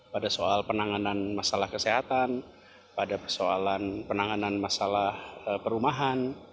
pada soal penanganan masalah kesehatan pada persoalan penanganan masalah perumahan